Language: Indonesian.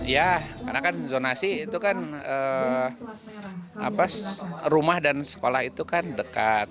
ya karena kan zonasi itu kan rumah dan sekolah itu kan dekat